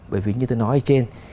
bởi vì như tôi nói ở trên